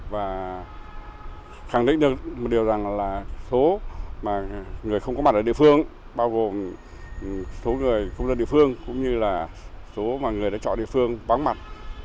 và khẳng định được một điều rằng là số mà người không có mặt ở địa phương bao gồm số người công dân địa phương cũng như là số mà người đã chọn địa phương vắng mặt